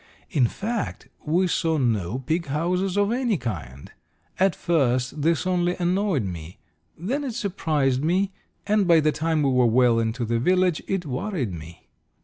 In fact we saw no pig houses of any kind. At first this only annoyed me, then it surprised me, and by the time we were well into the village it worried me.